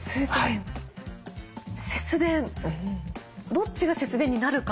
どっちが節電になるか？